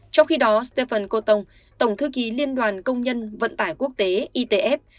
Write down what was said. trong khi đó stefan cô tông tổng thư ký liên đoàn công nhân vận tải quốc tế itf